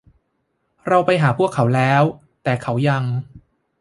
เราไปหาพวกเขาแล้ว แต่เขายัง